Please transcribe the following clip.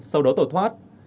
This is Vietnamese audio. sau đó tổ thoát